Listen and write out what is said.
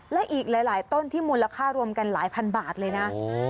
และอีกหลายต้นที่มูลค่ารวมกันหลายพันบาทเลยนะ